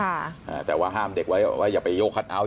อ่าแต่ว่าห้ามเด็กไว้ว่าอย่าไปโยกคัทเอาท